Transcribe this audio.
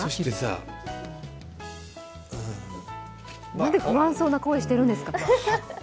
何で不安そうな顔してるんですか？